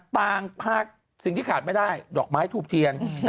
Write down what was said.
ต่างภาคสิ่งที่ขาดไม่ได้ดอกไม้ทูบเทียน